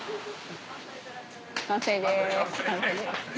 完成です。